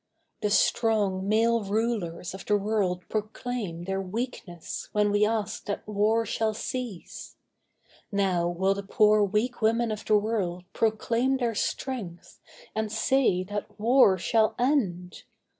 The strong male rulers of the world proclaim Their weakness, when we ask that war shall cease. Now will the poor weak women of the world Proclaim their strength, and say that war shall end.